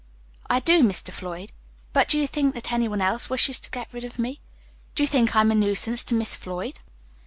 "I do, Mr. Floyd; but do you think that any one else wishes to get rid of me? Do you think I'm a nuisance to Miss Floyd?"